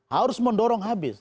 harus mendorong habis